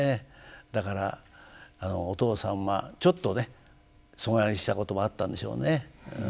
だからお父さんはちょっとね疎外したこともあったんでしょうね。